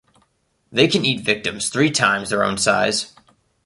They can eat victims three times their own size.